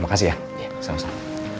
mu unpleasant embarabang